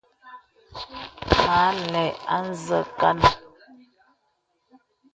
Mə àlə̀ ā nzə kanà.